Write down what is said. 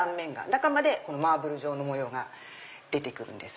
中までマーブル状の模様が出てくるんです。